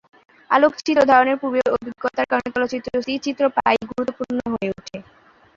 আলোকচিত্র ধারণের পূর্ব অভিজ্ঞতার কারণে তার চলচ্চিত্রে স্থির চিত্র প্রায়ই গুরুত্বপূর্ণ হয়ে ওঠে।